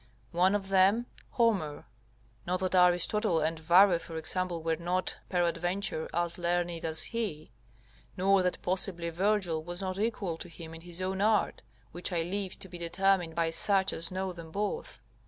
One of them Homer: not that Aristotle and Varro, for example, were not, peradventure, as learned as he; nor that possibly Virgil was not equal to him in his own art, which I leave to be determined by such as know them both.